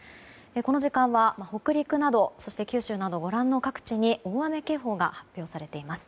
この時間は北陸などそして九州などご覧の各地に大雨警報が発表されています。